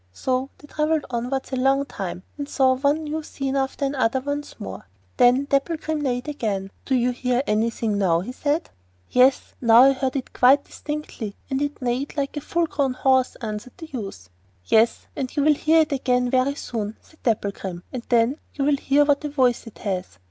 So they travelled onwards a long time, and saw one new scene after another once more. Then Dapplegrim neighed again. 'Do you hear anything now?' said he. 'Yes; now I heard it quite distinctly, and it neighed like a full grown horse,' answered the youth. 'Yes, and you will hear it again very soon,' said Dapplegrim; 'and then you will hear what a voice it has.